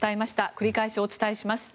繰り返しお伝えします。